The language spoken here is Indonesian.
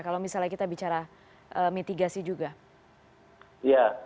selain itu bagaimana dengan penerbangan pak hendra